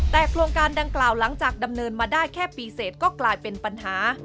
แต่โครงการดังกล่าวหลังจากดำเนินมาได้แค่ปีเสร็จก็กลายเป็นปัญหา